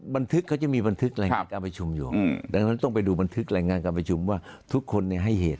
บันทึกเขาจะมีบันทึกแรงงานการประชุมอยู่